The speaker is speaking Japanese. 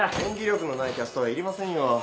演技力のないキャストはいりませんよ。